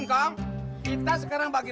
kok kau pat